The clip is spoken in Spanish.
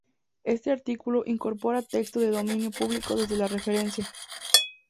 Este artículo incorpora texto de dominio público desde la referencia.